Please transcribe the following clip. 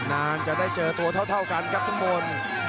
นานจะได้เจอตัวเท่ากันครับทุกคน